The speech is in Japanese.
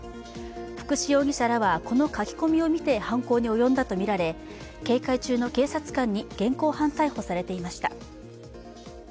福士容疑者らはこの書き込みを見て犯行に及んだとみられ警戒中の警察官に現行犯逮捕されていました。